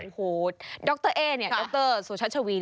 โอ้โหดรเอ๊เนี่ยดรสุชัชวี